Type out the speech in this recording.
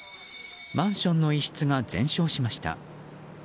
マンションの１室が全焼しました。